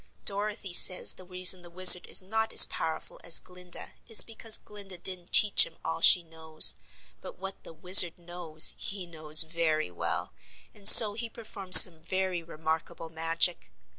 Dorothy says the reason the Wizard is not as powerful as Glinda is because Glinda didn't teach him all she knows, but what the Wizard knows he knows very well and so he performs some very remarkable magic.